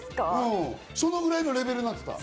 それぐらいのレベル。